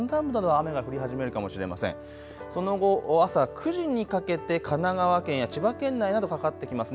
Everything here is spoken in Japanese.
その後、朝９時にかけて神奈川県や千葉県などかかってきますね。